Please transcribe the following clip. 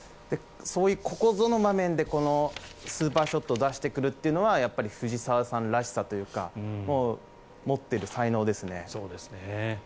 そういうここぞの場面でスーパーショットを出してくるのはやっぱり藤澤さんらしさというか持っている才能ですね。